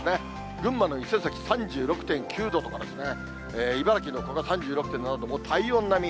群馬の伊勢崎３６．９度とかですね、茨城の古河３６．７度、もう体温並み。